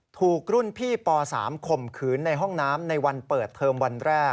ถูกรุ่นพี่ป๓ข่มขืนในห้องน้ำในวันเปิดเทอมวันแรก